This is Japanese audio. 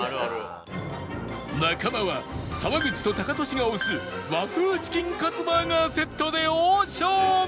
中間は沢口とタカトシが推す和風チキンカツバーガーセットで大勝負！